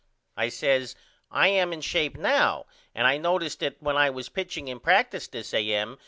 I says I am in shape now and I notice that when I was pitching in practice this A.M.